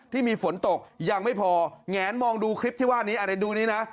ที่มีฝนตกยังไม่พอแงนมองดูคลิปที่ว่านี้อะไรดูนี้นะ